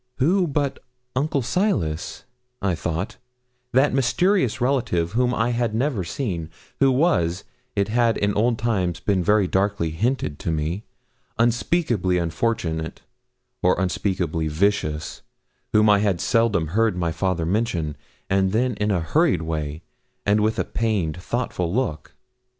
Who but Uncle Silas, I thought that mysterious relative whom I had never seen who was, it had in old times been very darkly hinted to me, unspeakably unfortunate or unspeakably vicious whom I had seldom heard my father mention, and then in a hurried way, and with a pained, thoughtful look.